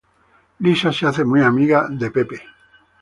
Lisa se hace muy amiga de Bob.